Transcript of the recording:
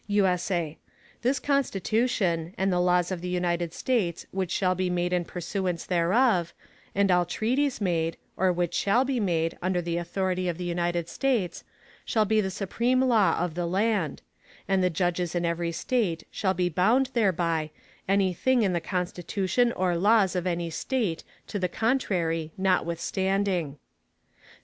[USA] This Constitution, and the Laws of the United States which shall be made in Pursuance thereof; and all Treaties made, or which shall be made, under the authority of the United States, shall be the supreme Law of the Land; and the Judges in every State shall be bound thereby, any Thing in the Constitution or Laws of any State to the Contrary notwithstanding.